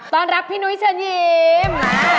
รับพี่นุ้ยเชิญยิ้ม